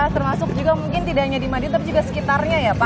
termasuk juga mungkin tidak hanya di madiun tapi juga sekitarnya ya pak